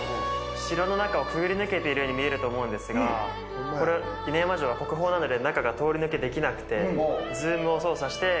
城の中をくぐり抜けているように見えると思うんですがこれ犬山城は国宝なので中が通り抜けできなくて。